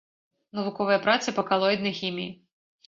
Навуковыя працы па калоіднай хіміі.